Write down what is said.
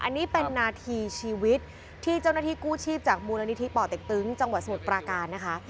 อันนี้เป็นนาทีชีวิตที่เจ้าหน้าที่กู้ชีพจากมูลนิธิป่อเต็กตึงจังหวัดสมุทรปราการนะคะ